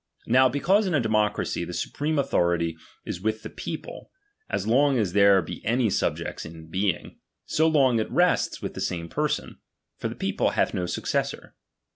Now be cause in a democracy the supreme authority is with the people, as long as there be any subjects in being, so long it rests with the same person ; for the people hath no successor.